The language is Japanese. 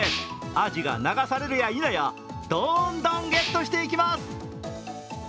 アジが流されるやいなやどんどんゲットしていきます。